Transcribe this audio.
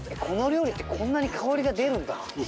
この料理ってこんなに香りが出るんだ。